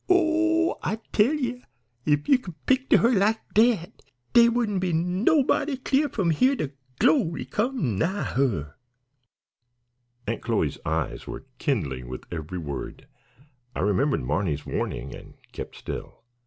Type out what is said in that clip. Oh! I tell ye, if ye could picter her like dat dey wouldn't be nobody clear from here to glory could come nigh her." Aunt Chloe's eyes were kindling with every word. I remembered Marny's warning and kept stil.